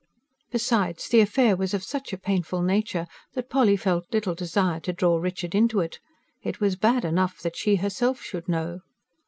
Besides, the affair was of such a painful nature that Polly felt little desire to draw Richard into it; it was bad enough that she herself should know.